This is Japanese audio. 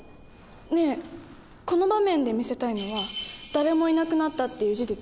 ねえこの場面で見せたいのは誰もいなくなったっていう事実？